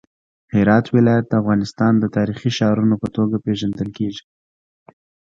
هرات ولایت د افغانستان د تاریخي ښارونو په توګه پیژندل کیږي.